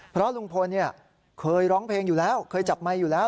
เพราะลุงพลเคยร้องเพลงอยู่แล้วเคยจับไมค์อยู่แล้ว